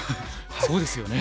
そうですよね。